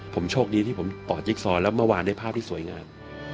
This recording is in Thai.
ผมโชคดีที่ผมต่อจิ๊กซอแล้วเมื่อวานได้ภาพที่สวยงาม